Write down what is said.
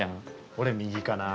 俺右かなあ。